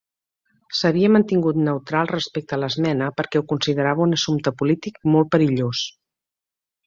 S'havia mantingut neutral respecte a l'esmena perquè ho considerava un assumpte polític molt perillós.